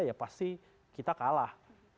ya pasti kita kalah